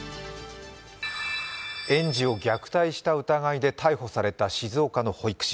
園児を虐待した疑いで逮捕された福岡の保育士。